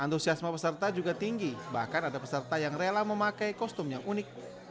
antusiasme peserta juga tinggi bahkan ada peserta yang rela memakai kostum yang unik